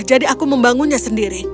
jadi aku membangunnya sendiri